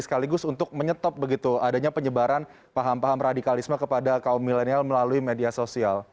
sekaligus untuk menyetop begitu adanya penyebaran paham paham radikalisme kepada kaum milenial melalui media sosial